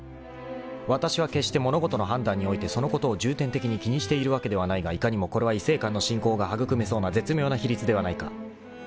［わたしは決して物事の判断においてそのことを重点的に気にしているわけではないがいかにもこれは異性間の進行がはぐくめそうな絶妙な比率ではないか］